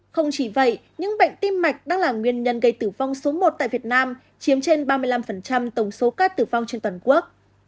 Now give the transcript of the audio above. không chỉ vậy những bệnh tim mạch đang là nguyên nhân gây tử vong số một tại việt nam chiếm trên ba mươi năm tổng số ca tử vong trên toàn quốc